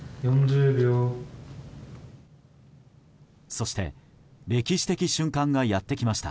そして歴史的瞬間がやってきました。